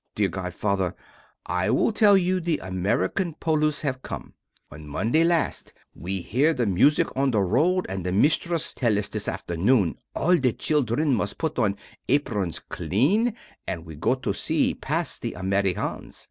Dear godfather, I will tell you the American Poilus have come. On Monday last we hear the music on the road and the mistress tell us this afternoon all the children must put on aprons clean, and we go to see pass the Americans.